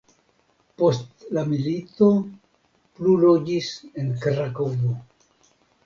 Post la milito plu loĝis en Krakovo.